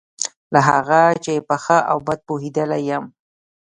له هغه چې په ښه او بد پوهېدلی یم.